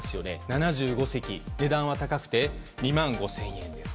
７５席、値段は高くて２万５０００円です。